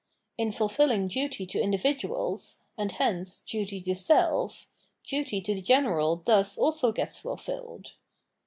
In ful filling duty to indi'viduals, and hence duty to self, duty to the general thus also gets fulfilled.